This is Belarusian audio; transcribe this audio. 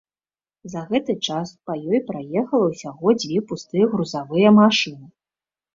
За гэты час па ёй праехала ўсяго дзве пустыя грузавыя машыны.